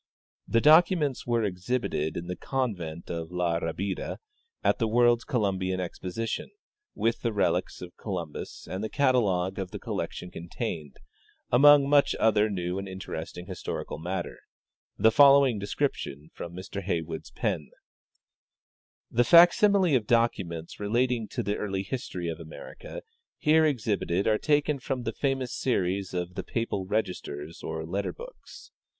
The documents were exhibited in the convent of La Rabida, at the World's Columbian Exposition, Avith the relics of Columbus, and the catalogue of the collection contained, among much other new and interesting historical matter, the following description from Mr Heywood's pen :" The fac similes of documents relating to the early history of America here exhibited are taken from the famous series of the Papal registers or letter books.